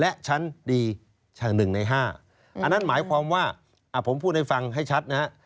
และชั้นดี๑ใน๕อันนั้นหมายความว่าผมพูดให้ฟังให้ชัดนะฮะ